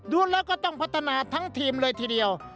ดูแล้วก็ต้องพัฒนาทั้งทีมเลยทีเดียว